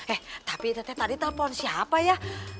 eh tapi tadi teteh telfon siapa ya